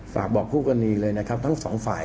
ฝากบอกพุทธคุณีจริงทั้งทั้ง๒ฝ่าย